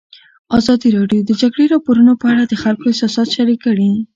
ازادي راډیو د د جګړې راپورونه په اړه د خلکو احساسات شریک کړي.